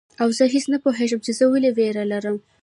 او زه هیڅ نه پوهیږم چي زه ولي ویره لرم